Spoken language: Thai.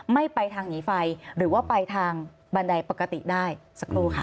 ไม่ไปทางหนีไฟหรือว่าไปทางบันไดปกติได้สักครู่ค่ะ